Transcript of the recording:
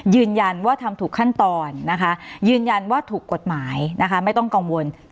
ยืนยันว่าทำถูกขั้นตอนนะคะยืนยันว่าถูกกฎหมายนะคะไม่ต้องกังวล